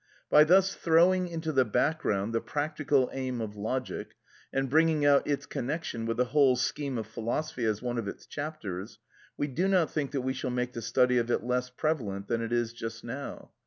By thus throwing into the background the practical aim of logic, and bringing out its connection with the whole scheme of philosophy as one of its chapters, we do not think that we shall make the study of it less prevalent than it is just now.